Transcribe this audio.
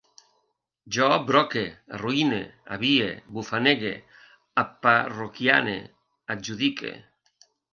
Jo broque, arruïne, avie, bufanege, aparroquiane, adjudique